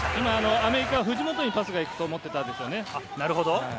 アメリカも藤本にパスが行くと思っていたんでしょうね。